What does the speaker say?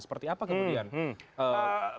seperti apa kemudian